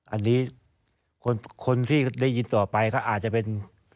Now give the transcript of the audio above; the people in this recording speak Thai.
อันนี้คนที่ได้ยินต่อไปก็อาจจะเป็น